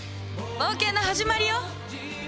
冒険の始まりよ！